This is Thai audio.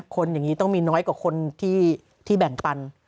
คนอย่างนี้ต้องมีน้อยกว่าคนที่แบ่งปัน